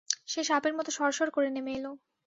সে সাপের মতো সরসর করে নেমে এল।